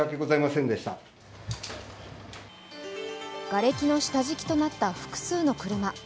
がれきの下敷きとなった複数の車。